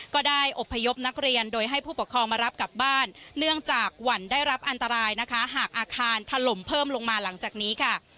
ก็ได้อบพยพนักเรียนโดยให้ผู้ปกครองมารับกลับบ้านเนื่องจากหวั่นได้รับอันตรายนะคะหากอาคารถล่มเพิ่มลงมาหลังจากนี้ค่ะ